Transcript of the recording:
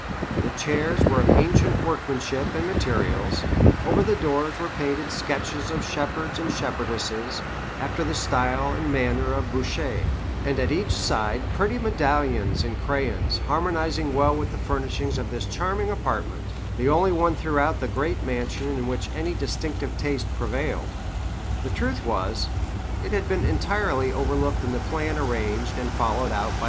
The chairs were of ancient workmanship and materials; over the doors were painted sketches of shepherds and shepherdesses, after the style and manner of Boucher; and at each side pretty medallions in crayons, harmonizing well with the furnishings of this charming apartment, the only one throughout the great mansion in which any distinctive taste prevailed. The truth was, it had been entirely overlooked in the plan arranged and followed out by M.